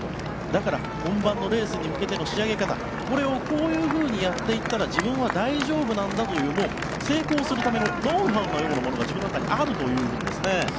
だから、本番のレースに向けての仕上げ方これをこういうふうにやっていったら自分は大丈夫なんだというもう成功するためのノウハウのようなものが自分の中にあるというんですね。